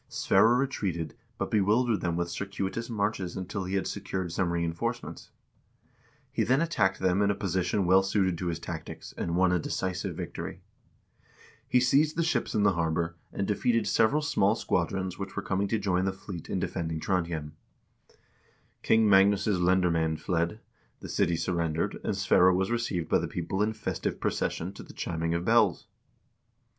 Sverre retreated, but bewildered them with circuitous marches until he had secured some reinforcements. He then attacked them in a position well suited to his tactics, and won a decisive victory. He seized the ships in the harbor, and defeated several small squadrons which were coming to join the fleet in defending Trondhjem. King Magnus* lendermcend fled, the city surrendered, and Sverre was received by the people in festive procession to the chiming of bells.